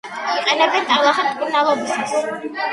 იყენებენ ტალახით მკურნალობისას.